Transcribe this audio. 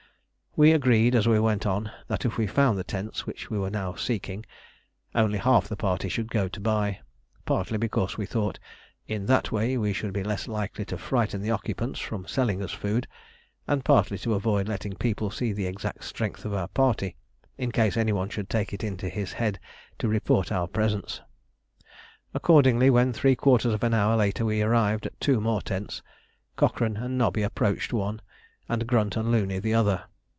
We agreed, as we went on, that if we found the tents which we were now seeking, only half the party should go to buy; partly because we thought in that way we should be less likely to frighten the occupants from selling us food, and partly to avoid letting people see the exact strength of our party, in case any one should take it into his head to report our presence. Accordingly, when three quarters of an hour later we arrived at two more tents, Cochrane and Nobby approached one, and Grunt and Looney the other.